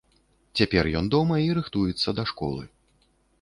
Цяпер ён дома і рыхтуецца да школы.